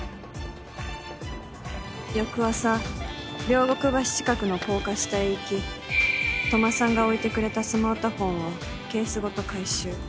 翌朝両国橋近くの高架下へ行き戸間さんが置いてくれたスマートフォンをケースごと回収。